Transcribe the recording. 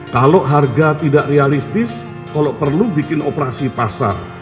kalau harga tidak realistis kalau perlu bikin operasi pasar